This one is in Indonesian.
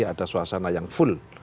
ada suasana yang full